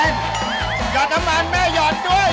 กลับอยู่